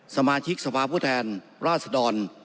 สมาชิกสภาพผู้แทนราชดร